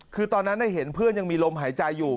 คือตอนนั้นเห็นเพื่อนยังมีลมหายใจอยู่